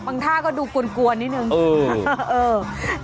ท่าก็ดูกวนนิดนึง